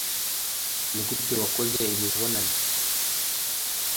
Nigute wakoze imibonano?